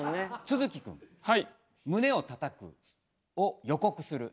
都築くん「胸をたたく」を予告する。